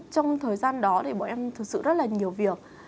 trong thời gian đó thì bọn em thực sự rất là nhiều việc